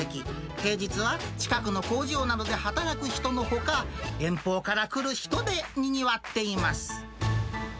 平日は近くの工場などで働く人のほか、遠方から来る人でにぎわっています。